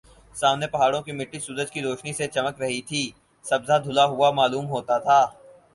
سامنے پہاڑوں کی مٹی سورج کی روشنی سے چمک رہی تھی سبزہ دھلا ہوا معلوم ہوتا تھا